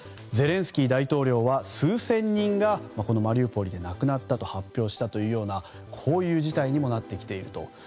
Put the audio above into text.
ゼレンスキー大統領は数千人がマリウポリで亡くなったと発表したというような事態にもなってきていると。